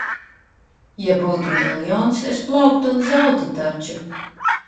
Ja būtu miljons, es plauktu un zeltu taču.